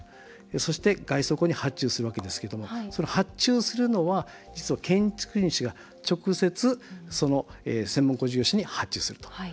そして、外装工に発注するわけですけども発注するのは実は建築主が、直接専門工事業者に発注すると。